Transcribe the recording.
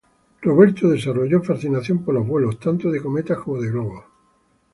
Robert desarrolló fascinación por los vuelos, tanto de cometas como de globos.